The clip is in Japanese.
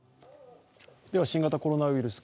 新型コロナウイルス